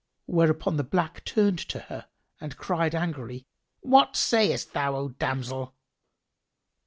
Whereupon the black turned to her and cried angrily, "What sayst thou, O damsel?"